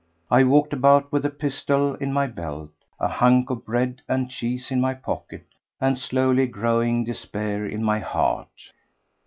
I walked about with a pistol in my belt, a hunk of bread and cheese in my pocket, and slowly growing despair in my heart.